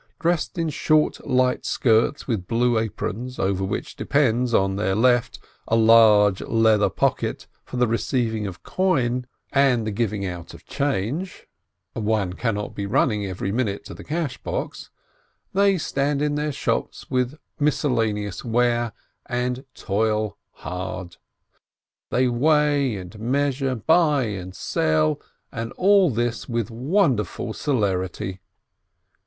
Dressed in short, light skirts with blue aprons, over which depends on their left a large leather pocket for the receiving of coin and the giving 454 BLINKIN out of change — one cannot be running every minute to the cash box — they stand in their shops with mis cellaneous ware, and toil hard. They weigh and meas ure, buy and sell, and all this with wonderful celerity.